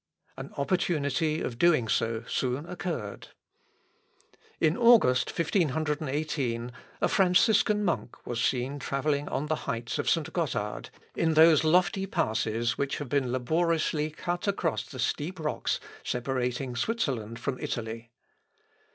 An opportunity of doing so soon occurred. In August, 1518, a Franciscan monk was seen travelling on the heights of St. Gothard, in those lofty passes which have been laboriously cut across the steep rocks separating Switzerland from Italy.